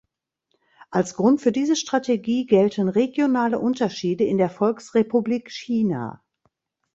Als Grund für diese Strategie gelten regionale Unterschiede in der Volksrepublik China.